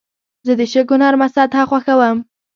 زه د شګو نرمه سطحه خوښوم.